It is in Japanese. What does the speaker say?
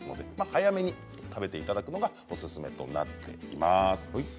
早めに食べていただくのがおすすめとなっています。